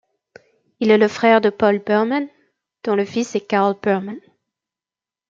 Il est le frère de Paul Burman dont le fils est Karl Burman.